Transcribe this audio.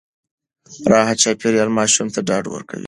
راحت چاپېريال ماشوم ته ډاډ ورکوي.